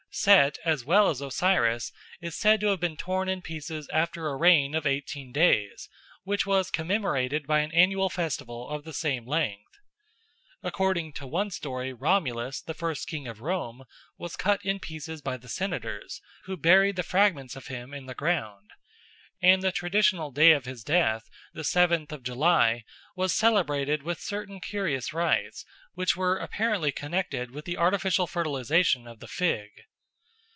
Set as well as Osiris is said to have been torn in pieces after a reign of eighteen days, which was commemorated by an annual festival of the same length. According to one story Romulus, the first king of Rome, was cut in pieces by the senators, who buried the fragments of him in the ground; and the traditional day of his death, the seventh of July, was celebrated with certain curious rites, which were apparently connected with the artificial fertilisation of the fig.